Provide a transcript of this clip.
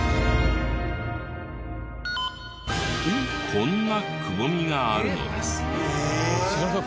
こんなくぼみがあるのです。